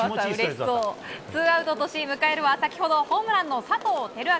ツーアウトとして先ほどホームランの佐藤輝明。